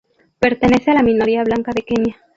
Pertenece a la minoría blanca de Kenia.